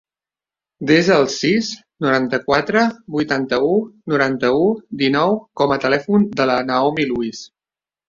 Desa el sis, noranta-quatre, vuitanta-u, noranta-u, dinou com a telèfon de la Naomi Luis.